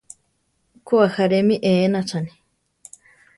Ko, ajáre mi éenachani.